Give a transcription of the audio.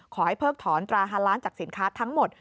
เพิกถอนตราฮาล้านจากสินค้าทั้งหมด